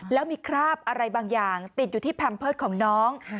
แล้วมีคราบอะไรบางอย่างติดอยู่ที่แพมเพิร์ตของน้อง